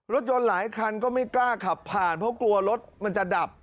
หลายคันก็ไม่กล้าขับผ่านเพราะกลัวรถมันจะดับ